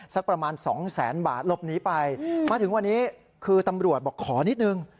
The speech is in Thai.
สักประมาณสองแสนบาทหลบหนีไปมาถึงวันนี้คือตำรวจบอกขอนิดนึง